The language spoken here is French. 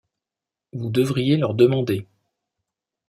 Vous devriez leur demander.